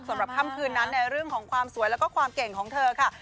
สำหรับค่ำคืนนั้นในเรื่องของความสวยแล้วก็ความเก่งของเธอค่ะ